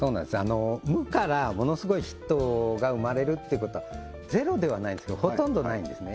無からものすごいヒットが生まれるっていうことはゼロではないんですけどほとんどないんですね